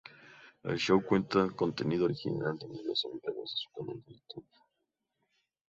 El show cuenta con contenido original de vídeos enviados a su canal de Youtube.